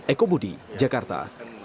eko budi jakarta